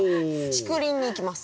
竹林に行きます。